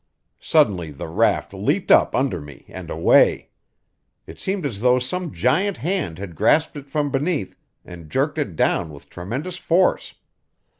Suddenly the raft leaped up under me and away. It seemed as though some giant hand had grasped it from beneath and jerked it down with tremendous force.